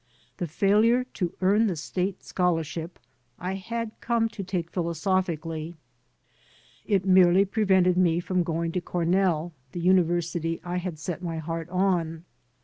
The failure to earn the State scholarship I had come to take philo sophically. It merely prevented me from going to Cornell — the university I had set my heart on.